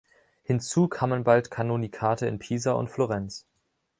Hinzu kamen bald Kanonikate in Pisa und Florenz.